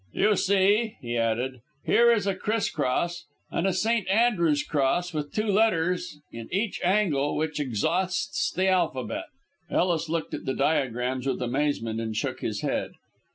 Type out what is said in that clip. "You see," he added, "here is a criss cross, and a St. Andrew's cross with two letters in each angle which exhausts the alphabet." Ellis looked at the diagrams with amazement and shook his head.